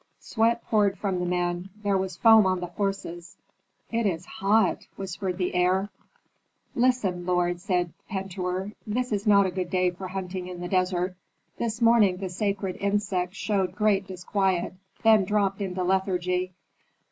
Sweat poured from the men, there was foam on the horses. "It is hot!" whispered the heir. "Listen, lord," said Pentuer, "this is not a good day for hunting in the desert. This morning the sacred insects showed great disquiet, then dropped into lethargy.